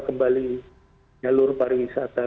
kembali jalur pariwisata